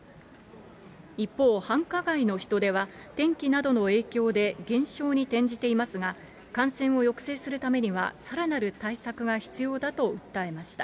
一方、繁華街の人出は、天気などの影響で減少に転じていますが、感染を抑制するためには、さらなる対策が必要だと訴えました。